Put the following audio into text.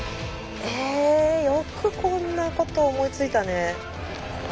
えよくこんなこと思いついたね。